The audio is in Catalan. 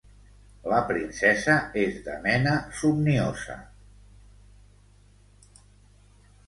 La princesa és de mena somniosa.